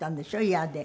嫌で。